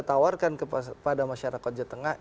tawarkan kepada masyarakat jawa tengah